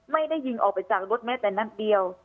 ไม่ได้ยิงออกไปจากรถแม้แต่นัดเดียว